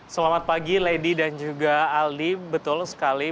selamat pagi lady dan juga aldi betul sekali